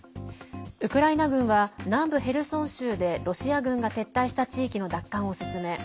ウクライナ軍は南部ヘルソン州でロシア軍が撤退した地域の奪還を進め